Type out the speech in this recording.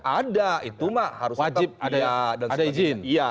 ada itu mah harus wajib ada izin